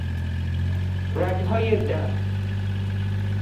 رگهای دم